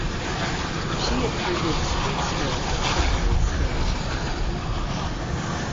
She attended Streetsville Secondary School.